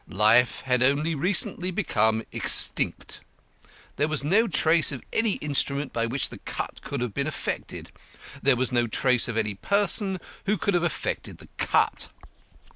Life had only recently become extinct. There was no trace of any instrument by which the cut could have been effected: there was no trace of any person who could have effected the cut.